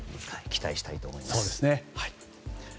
期待したいと思います。